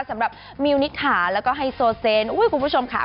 สำหรับมิวนิษฐาแล้วก็ไฮโซเซนอุ้ยคุณผู้ชมค่ะ